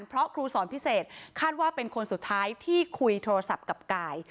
เพราะครูสอนพิเศษคาดว่าเป็นคนสุดท้ายที่คุยโทรศัพท์กับกาย